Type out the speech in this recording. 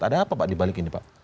ada apa pak di balik ini pak